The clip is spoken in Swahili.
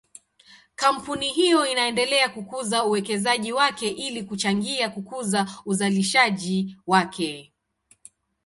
Kampuni hiyo inaendelea kukuza uwekezaji wake ili kuchangia kukuza uzalishaji wake.